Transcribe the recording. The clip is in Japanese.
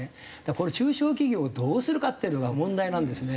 この中小企業をどうするかっていうのが問題なんですね。